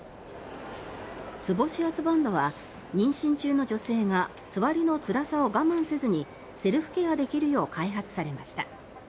ツボ指圧バンドは妊娠中の女性がつわりのつらさを我慢せずにセルフケアできるよう開発されました。